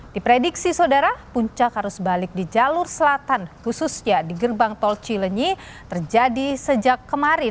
diprediksi saudara puncak arus balik di jalur selatan khususnya di gerbang tol cilenyi terjadi sejak kemarin